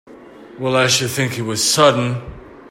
Well I should think it was sudden!